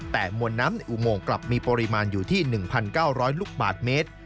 แต่มวลน้ำในอุโมงกลับมีปริมาณอยู่ที่๑๙๐๐ลูกบาทเมตร